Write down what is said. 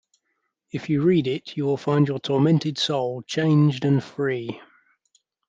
If you read it, you will find your tormented soul changed and free.